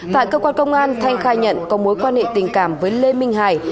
tại cơ quan công an thanh khai nhận có mối quan hệ tình cảm với lê minh hải